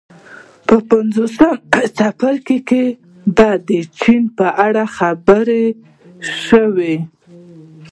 په پنځلسم څپرکي کې به د چین په اړه خبرې وشي